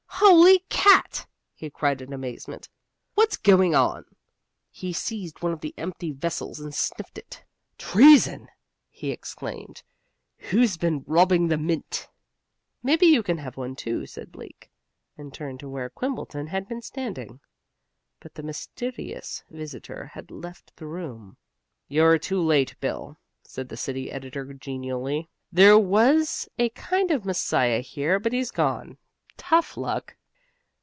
"Holy cat!" he cried in amazement. "What's going on?" He seized one of the empty vessels and sniffed it. "Treason!" he exclaimed. "Who's been robbing the mint?" "Maybe you can have one too," said Bleak, and turned to where Quimbleton had been standing. But the mysterious visitor had leff the room. "You're too late, Bill," said the city editor genially. "There was a kind of Messiah here, but he's gone. Tough luck."